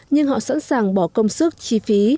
nhưng họ sẵn sàng bỏ công sức chi phí